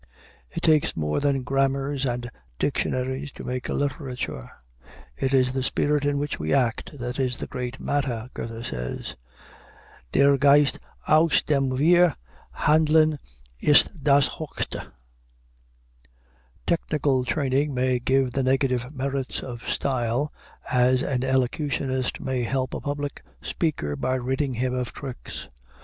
It takes more than grammars and dictionaries to make a literature. "It is the spirit in which we act that is the great matter," Goethe says. Der Geist aus dem wir handeln ist das Höchste. Technical training may give the negative merits of style, as an elocutionist may help a public speaker by ridding him of tricks.